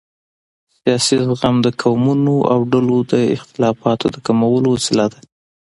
سیاسي زغم د قومونو او ډلو د اختلافاتو د کمولو وسیله ده